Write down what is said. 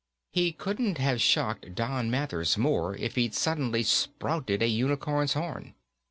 He couldn't have shocked Don Mathers more if he'd suddenly sprouted a unicorn's horn.